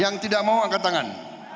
yang tidak mau angkat tangan